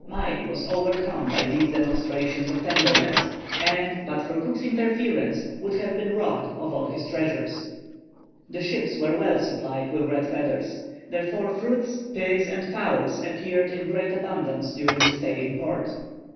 Mai was overcome by these demonstrations of tenderness, and, but for Cook's interference, would have been robbed of all his treasures. The ships were well supplied with red feathers. Therefore fruits, pigs, and fowls appeared in great abundance during the stay in port.